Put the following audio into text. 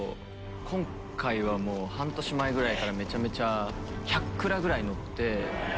今回はもう半年前ぐらいからめちゃめちゃ１００鞍ぐらい乗って。